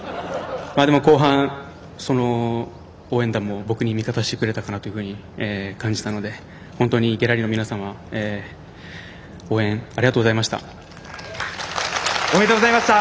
でも後半、応援団も僕に味方してくれたかなと感じたので本当にギャラリーの皆様おめでとうございました。